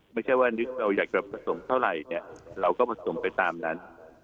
ไม่ใช่ว่านึกเราอยากจะผสมเท่าไหร่เนี่ยเราก็ผสมไปตามนั้น